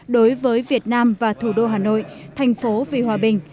đối với việt nam và thủ đô hà nội thành phố vì hòa bình